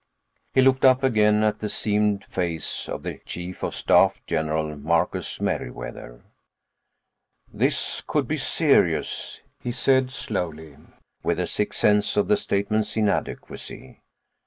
He looked up again at the seamed face of the Chief of Staff, General Marcus Meriwether. "This could be serious," he said slowly, with a sick sense of the statement's inadequacy.